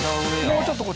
もうちょっと。